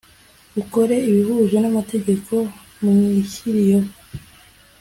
ukore ibihuje n’ amategeko mwishyiriyeho